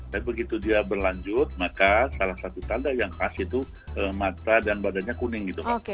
tapi begitu dia berlanjut maka salah satu tanda yang khas itu mata dan badannya kuning gitu kan